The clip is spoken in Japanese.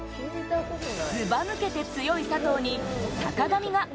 ずば抜けて強い佐藤に坂上が。